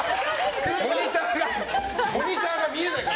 モニターが見えないから！